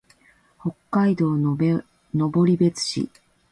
北海道登別市